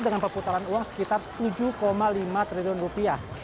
dengan perputaran uang sekitar tujuh lima triliun rupiah